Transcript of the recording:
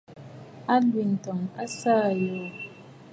Àlwintɔŋ a saà àyoò.